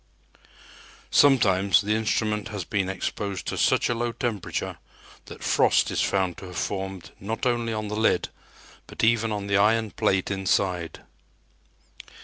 Sometimes the instrument has been exposed to such a low temperature that frost is found to have formed not only on the lid, but even on the iron plate inside.